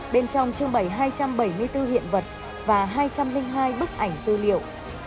bên trong trưng bày hai trăm bảy mươi bốn hiện vật và hai trăm linh hai bức ảnh tư liệu